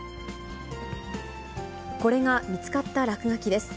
これが見つかった落書きです。